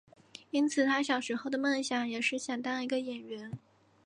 因此他小时候的梦想也是想当一个演员。